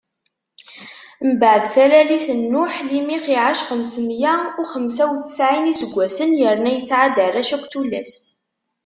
Mbeɛd talalit n Nuḥ, Limix iɛac xems meyya u xemsa u ttsɛin n iseggasen, yerna yesɛa-d arrac akked tullas.